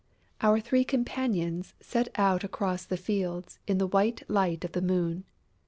Our three companions set out across the fields in the white light of the moon.